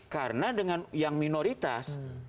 karena dengan yang minoritas